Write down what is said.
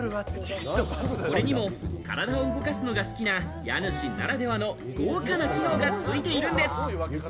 それにも体を動かすのが好きな家主ならではの豪華な機能がついているんです。